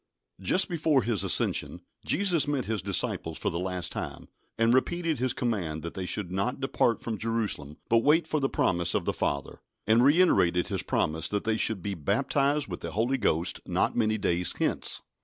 JUST before His ascension, Jesus met His disciples for the last time, and repeated His command that they should "not depart from Jerusalem, but wait for the promise of the Father," and reiterated His promise that they should be "baptised with the Holy Ghost not many days hence."